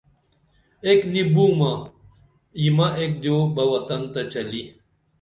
ایک نی بُومہ ییمہ ایک دِیو بہ وطن تہ چلی